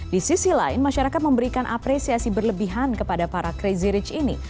di sisi lain masyarakat memberikan apresiasi berlebihan kepada para crazy rich ini